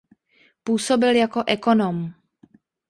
Působil jako ekonom.